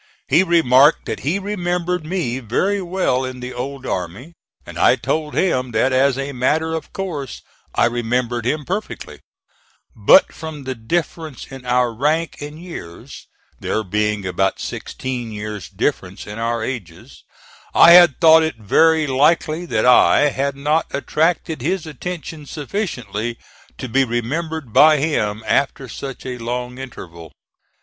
He remarked that he remembered me very well in the old army; and I told him that as a matter of course I remembered him perfectly, but from the difference in our rank and years (there being about sixteen years' difference in our ages), I had thought it very likely that I had not attracted his attention sufficiently to be remembered by him after such a long interval.